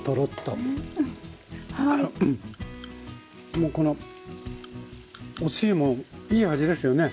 もうこのおつゆもいい味ですよね。